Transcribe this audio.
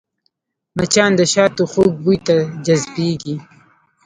مچان د شاتو خوږ بوی ته جذبېږي